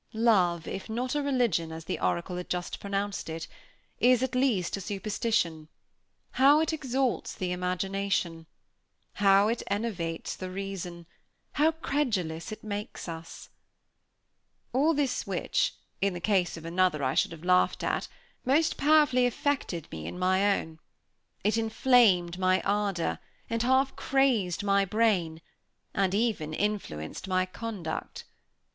Love, if not a religion, as the oracle had just pronounced it, is, at least, a superstition. How it exalts the imagination! How it enervates the reason! How credulous it makes us! All this which, in the case of another I should have laughed at, most powerfully affected me in my own. It inflamed my ardor, and half crazed my brain, and even influenced my conduct.